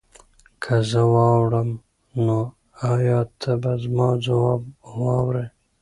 که زه واوړم نو ایا ته به زما ځواب واورې؟